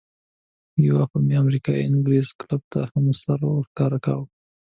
یو وخت به مې امریکایي انګرېز کلب ته هم سر ورښکاره کاوه.